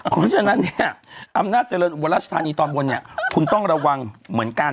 เพราะฉะนั้นเนี่ยอำนาจเจริญอุบลราชธานีตอนบนเนี่ยคุณต้องระวังเหมือนกัน